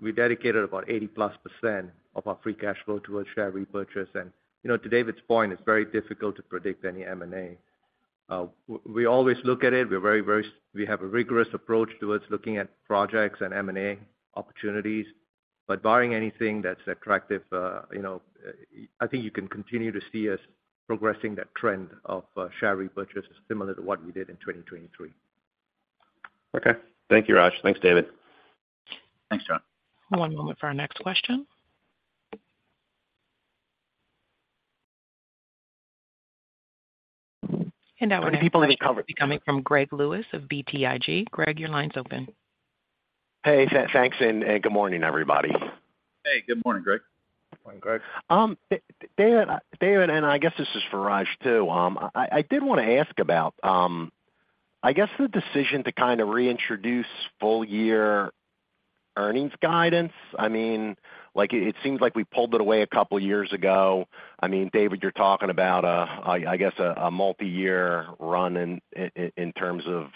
we dedicated about +80% of our free cash flow towards share repurchase. And, you know, to David's point, it's very difficult to predict any M&A. We always look at it. We're very, very - we have a rigorous approach towards looking at projects and M&A opportunities, but barring anything that's attractive, you know, I think you can continue to see us progressing that trend of share repurchases similar to what we did in 2023. Okay. Thank you, Raj. Thanks, David. Thanks, Jon. One moment for our next question.... And now our next question will be coming from Greg Lewis of BTIG. Greg, your line's open. Hey, thanks, and good morning, everybody. Hey, good morning, Greg. Morning, Greg. David, David, and I guess this is for Raj, too. I did want to ask about, I guess the decision to kind of reintroduce full year earnings guidance. I mean, like, it seems like we pulled it away a couple years ago. I mean, David, you're talking about a multi-year run in terms of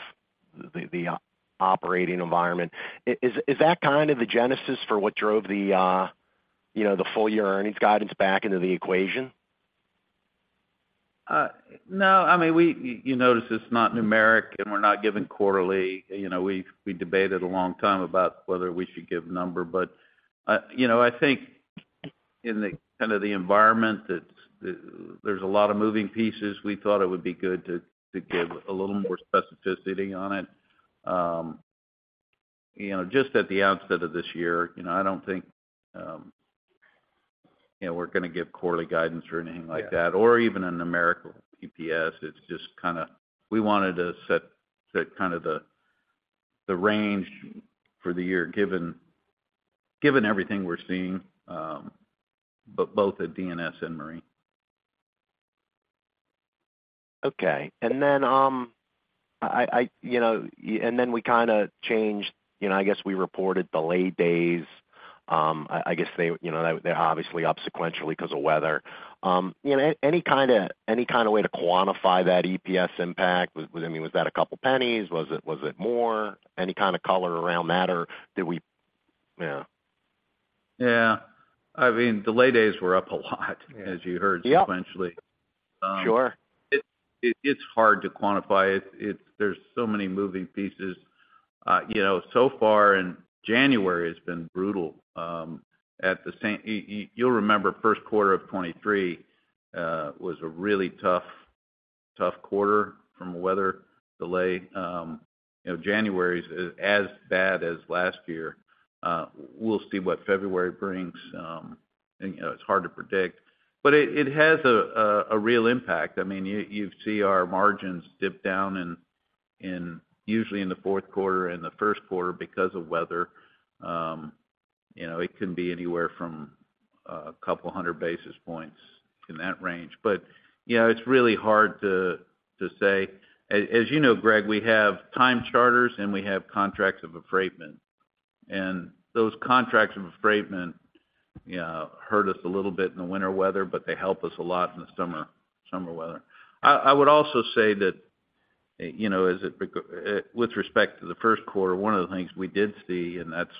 the operating environment. Is that kind of the genesis for what drove the, you know, the full year earnings guidance back into the equation? No. I mean, we—you notice it's not numeric, and we're not giving quarterly. You know, we, we debated a long time about whether we should give a number, but, you know, I think in the kind of the environment that there's a lot of moving pieces, we thought it would be good to, to give a little more specificity on it. You know, just at the outset of this year, you know, I don't think, you know, we're going to give quarterly guidance or anything like that, or even a numerical EPS. It's just kind of... We wanted to set, set kind of the, the range for the year, given, given everything we're seeing, but both at D&S and Marine. Okay. And then, you know, and then we kind of changed, you know, I guess we reported delayed days. I guess they, you know, they're obviously up sequentially because of weather. You know, any kind of, any kind of way to quantify that EPS impact? I mean, was that a couple pennies? Was it, was it more? Any kind of color around that, or did we? Yeah. Yeah. I mean, delay days were up a lot as you heard sequentially. Yep. Sure. It's hard to quantify it. There's so many moving pieces. You know, so far in January, it's been brutal. At the same time, you'll remember, first quarter of 2023 was a really tough, tough quarter from a weather delay. You know, January is as bad as last year. We'll see what February brings. And, you know, it's hard to predict, but it has a real impact. I mean, you see our margins dip down, usually in the fourth quarter and the first quarter because of weather. You know, it can be anywhere from a couple hundred basis points in that range. But, you know, it's really hard to say. As you know, Greg, we have time charters, and we have contracts of affreightment. Those contracts of affreightment hurt us a little bit in the winter weather, but they help us a lot in the summer, summer weather. I would also say that, you know, as it be with respect to the first quarter, one of the things we did see, and that's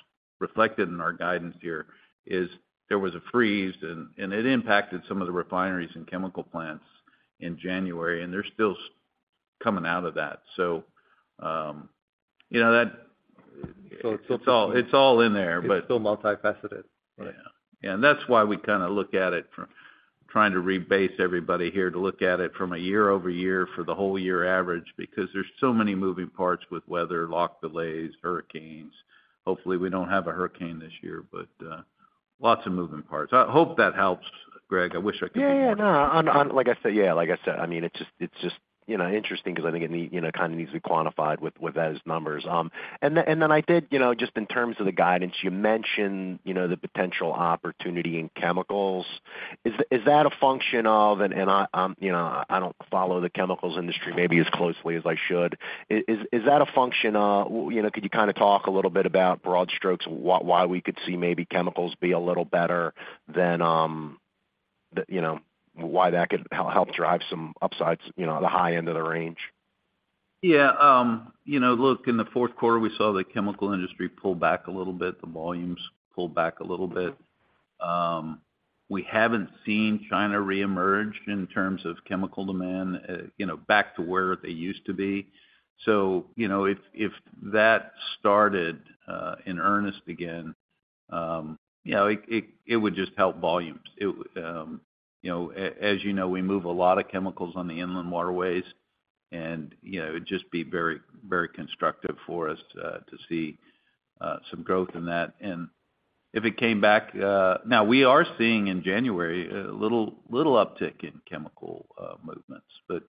reflected in our guidance here, is there was a freeze, and it impacted some of the refineries and chemical plants in January, and they're still coming out of that. So, you know, it's all in there, but it's still multifaceted. Yeah, and that's why we kind of look at it from trying to rebase everybody here to look at it from a year-over-year for the whole year average, because there's so many moving parts with weather, lock delays, hurricanes. Hopefully, we don't have a hurricane this year, but, lots of moving parts. I hope that helps, Greg. I wish I could do more. Yeah, no. On, on like I said, yeah, like I said, I mean, it's just, it's just, you know, interesting because I think it need, you know, kind of needs to be quantified with, with those numbers. And then, and then I did, you know, just in terms of the guidance, you mentioned, you know, the potential opportunity in chemicals. Is, is that a function of... And, and I, you know, I don't follow the chemicals industry maybe as closely as I should. Is, is that a function of, you know, could you kind of talk a little bit about broad strokes, why, why we could see maybe chemicals be a little better than, you know, why that could help drive some upsides, you know, the high end of the range? Yeah. You know, look, in the fourth quarter, we saw the chemical industry pull back a little bit, the volumes pull back a little bit. We haven't seen China reemerge in terms of chemical demand, you know, back to where they used to be. So, you know, if that started in earnest again, you know, it would just help volumes. It, you know, as you know, we move a lot of chemicals on the inland waterways and, you know, it would just be very, very constructive for us to see some growth in that. And if it came back... Now we are seeing in January a little uptick in chemical movements, but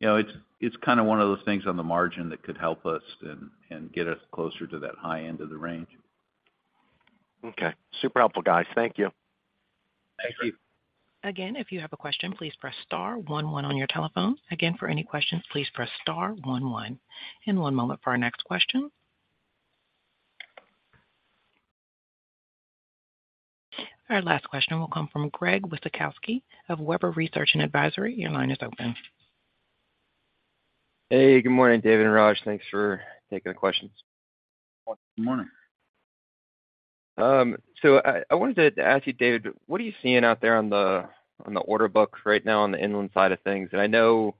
you know, it's kind of one of those things on the margin that could help us and get us closer to that high end of the range. Okay. Super helpful, guys. Thank you. Thank you. Again, if you have a question, please press star one one on your telephone. Again, for any questions, please press star one one. One moment for our next question. Our last question will come from Greg Wasikowski of Webber Research and Advisory. Your line is open. Hey, good morning, David and Raj. Thanks for taking the questions. Good morning. So I, I wanted to ask you, David, what are you seeing out there on the, on the order book right now on the inland side of things? And I know,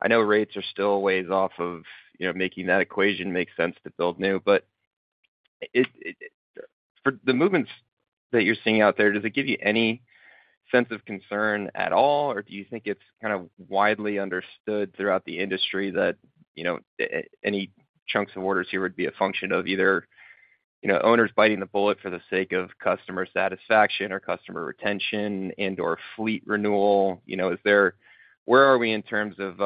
I know rates are still a ways off of, you know, making that equation make sense to build new, but for the movements that you're seeing out there, does it give you any sense of concern at all, or do you think it's kind of widely understood throughout the industry that, you know, any chunks of orders here would be a function of either, you know, owners biting the bullet for the sake of customer satisfaction or customer retention and/or fleet renewal. You know, where are we in terms of,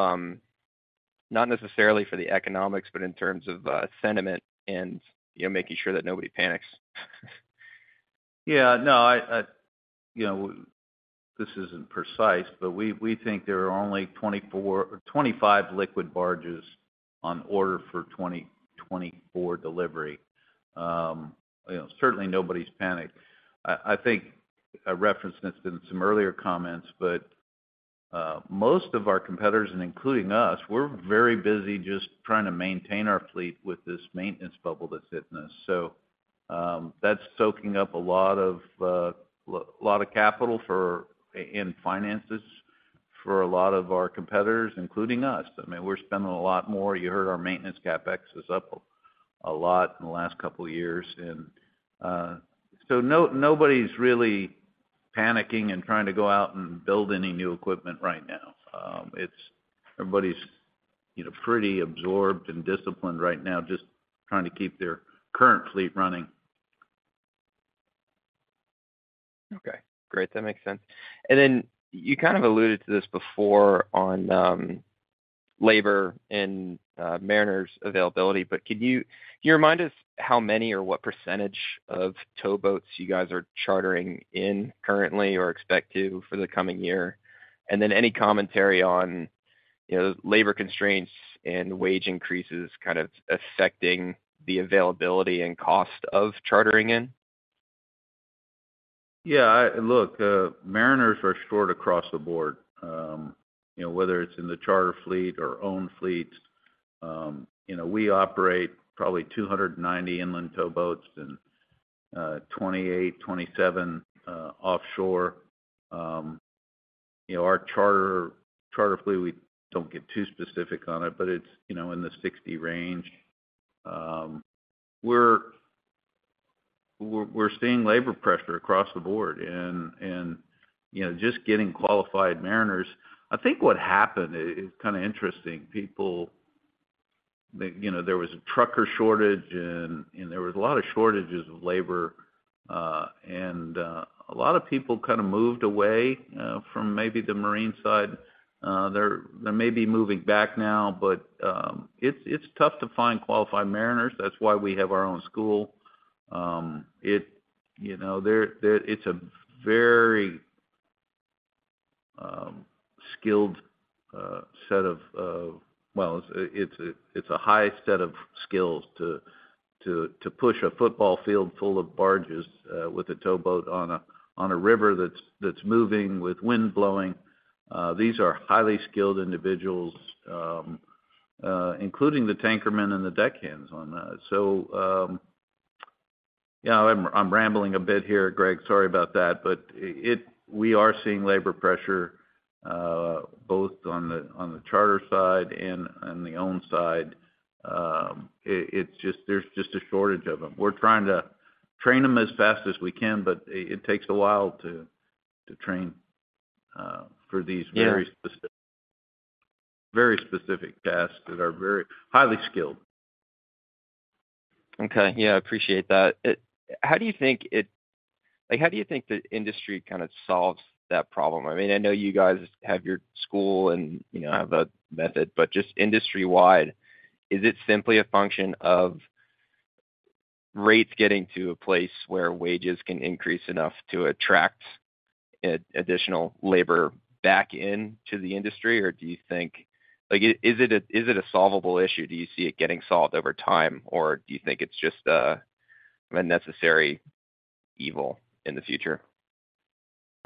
not necessarily for the economics, but in terms of, sentiment and, you know, making sure that nobody panics? Yeah, no, you know, this isn't precise, but we think there are only 24 or 25 liquid barges on order for 2024 delivery. You know, certainly, nobody's panicked. I think I referenced this in some earlier comments, but most of our competitors, and including us, we're very busy just trying to maintain our fleet with this maintenance bubble that's hitting us. So, that's soaking up a lot of capital in finances for a lot of our competitors, including us. I mean, we're spending a lot more. You heard our maintenance CapEx is up a lot in the last couple of years. And so nobody's really panicking and trying to go out and build any new equipment right now. It's everybody's, you know, pretty absorbed and disciplined right now, just trying to keep their current fleet running. Okay, great. That makes sense. And then you kind of alluded to this before on labor and mariners availability, but could you remind us how many or what percentage of towboats you guys are chartering in currently or expect to for the coming year? And then any commentary on, you know, labor constraints and wage increases kind of affecting the availability and cost of chartering in? Yeah, look, mariners are short across the board. You know, whether it's in the charter fleet or owned fleets, you know, we operate probably 290 inland towboats and 28, 27 offshore. You know, our charter fleet, we don't get too specific on it, but it's, you know, in the 60 range. You know, we're seeing labor pressure across the board, and you know, just getting qualified mariners. I think what happened is kind of interesting. People, they, you know, there was a trucker shortage, and there was a lot of shortages of labor, and a lot of people kind of moved away from maybe the marine side. They're, they may be moving back now, but it's tough to find qualified mariners. That's why we have our own school. You know, it's a very skilled set of... Well, it's a high set of skills to push a football field full of barges with a towboat on a river that's moving with wind blowing. These are highly skilled individuals, including the tankermen and the deckhands on that. So, yeah, I'm rambling a bit here, Greg. Sorry about that. But we are seeing labor pressure both on the charter side and on the owned side. It's just, there's just a shortage of them. We're trying to train them as fast as we can, but it takes a while to train for these- Yeah... very specific, very specific tasks that are very highly skilled. Okay. Yeah, I appreciate that. How do you think it—like, how do you think the industry kind of solves that problem? I mean, I know you guys have your school and, you know, have a method, but just industry-wide, is it simply a function of rates getting to a place where wages can increase enough to attract additional labor back into the industry? Or do you think, like, is it a solvable issue? Do you see it getting solved over time, or do you think it's just a necessary evil in the future?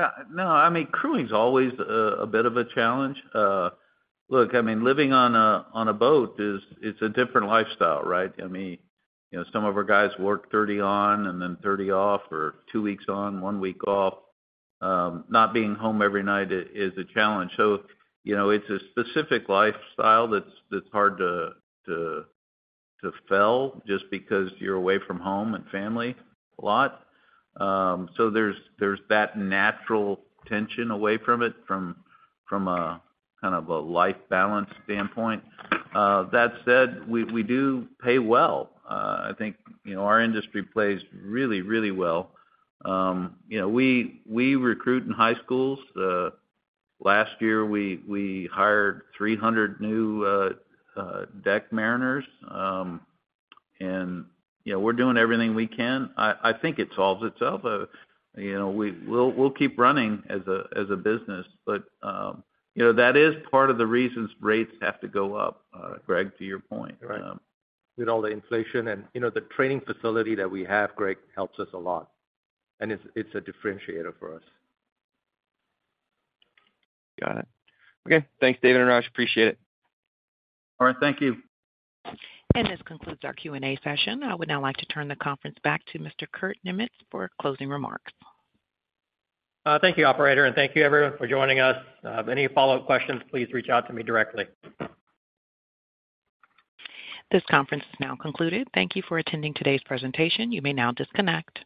Yeah. No, I mean, crewing is always a bit of a challenge. Look, I mean, living on a boat is, it's a different lifestyle, right? I mean, you know, some of our guys work 30 on and then 30 off, or two weeks on, one week off. Not being home every night is a challenge. So, you know, it's a specific lifestyle that's hard to sell just because you're away from home and family a lot. So there's that natural tension away from it, from a kind of a life balance standpoint. That said, we do pay well. I think, you know, our industry pays really, really well. You know, we recruit in high schools. Last year, we hired 300 new deck mariners. you know, we're doing everything we can. I think it solves itself. you know, we'll, we'll keep running as a, as a business, but, you know, that is part of the reasons rates have to go up, Greg, to your point. Right. With all the inflation and, you know, the training facility that we have, Greg, helps us a lot. And it's a differentiator for us. Got it. Okay. Thanks, David and Raj. Appreciate it. All right. Thank you. This concludes our Q&A session. I would now like to turn the conference back to Mr. Kurt Niemietz for closing remarks. Thank you, operator, and thank you, everyone, for joining us. Any follow-up questions, please reach out to me directly. This conference is now concluded. Thank you for attending today's presentation. You may now disconnect.